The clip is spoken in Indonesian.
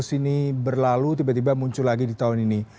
tapi sejak akhirnya virus ini berlalu tiba tiba muncul lagi di tahun ini